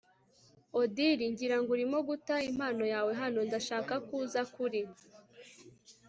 odili, ngira ngo urimo guta impano yawe hano. ndashaka ko uza kuri